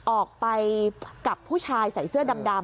ออกไปกับผู้ชายใส่เสื้อดำ